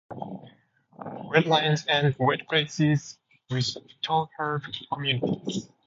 Wetlands and wet places with tall herb communities.